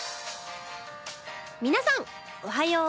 皆さんおはよう。